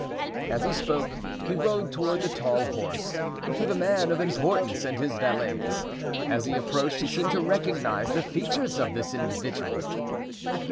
As he spoke, he rode toward the tall horse—to the man of importance and his valets. As he approached he seemed to recognize the features of this individual.